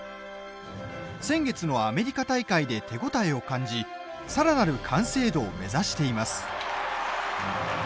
先月のアメリカ大会で手応えを感じさらなる完成度を目指しています。